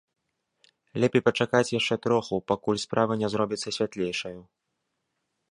Лепей пачакаць яшчэ троху, пакуль справа не зробіцца святлейшаю.